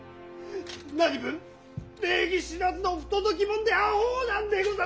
何分礼儀知らずの不届きもんであほうなんでござる！